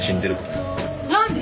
何で？